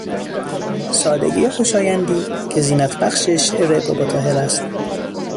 سادگی خوشایندی که زینتبخش شعر باباطاهر است.